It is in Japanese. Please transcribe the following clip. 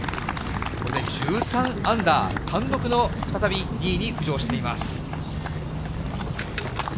これで１３アンダー、単独の再び２位に浮上しています。